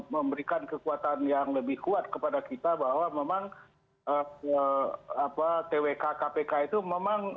memberikan kekuatan yang lebih kuat kepada kita bahwa memang twk kpk itu memang